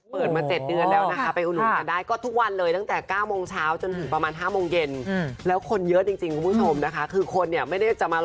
มีเรื่องความเชื่อนิดนึงด้วยไหม